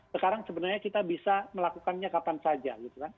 sekarang sebenarnya kita bisa melakukannya kapan saja